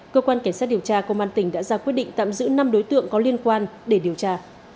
cơ quan cảnh sát điều tra công an tỉnh đã ra quyết định tạm giữ năm đối tượng có liên quan để điều tra